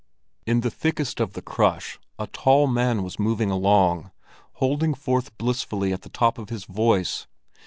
In the thickest of the crush, a tall man was moving along, holding forth blissfully at the top of his voice.